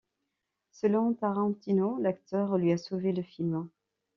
Selon Tarantino l'acteur lui a sauvé le film.